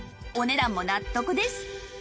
お値段も納得です